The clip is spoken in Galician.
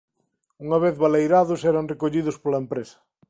Unha vez baleirados eran recollidos pola empresa.